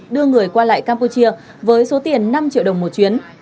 đưa người qua lại campuchia với số tiền năm triệu đồng một chuyến